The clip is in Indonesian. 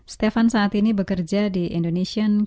stefan saat ini bekerja di indonesian creative